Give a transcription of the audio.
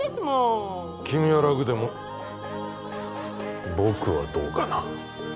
君は楽でも僕はどうかな。